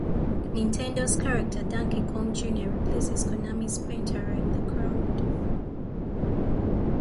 Nintendo's character Donkey Kong Junior replaces Konami's Pentarou in the crowd.